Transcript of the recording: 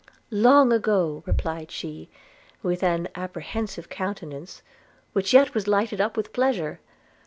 – 'Long ago,' replied she, with an apprehensive countenance, which yet was lightened up with pleasure.